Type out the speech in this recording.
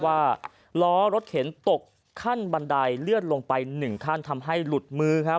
ว่าล้อรถเข็นตกขั้นบันไดเลื่อนลงไป๑ขั้นทำให้หลุดมือครับ